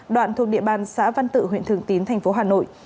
đoạn thuộc địa bàn xã văn tự huyện thường tín thành phố hà nội